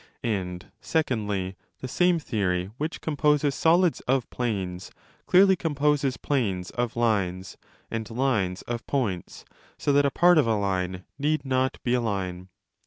And, secondly, the same theory which composes solids of planes clearly composes planes of lines and lines of points, so that a part of a line need not be a line.